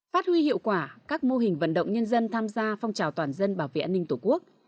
phát huy hiệu quả các mô hình vận động nhân dân tham gia phong trào toàn dân bảo vệ an ninh tổ quốc